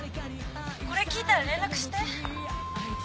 これ聞いたら連絡して。